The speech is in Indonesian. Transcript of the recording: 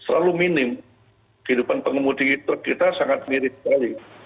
hanya hanya hidupan pengemudi itu kita sangat mirip sekali